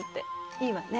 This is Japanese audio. いいわね。